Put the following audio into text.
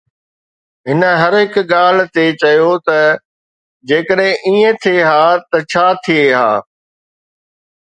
هن هر هڪ ڳالهه تي چيو ته جيڪڏهن ائين ٿئي ها ته ڇا ٿئي ها